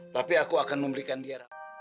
tapi aku akan memberikan dia